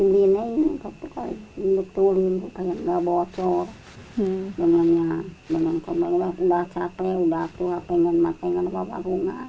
dengan kembangnya sudah capek sudah tua pengen makan pengen bawa bawa bunga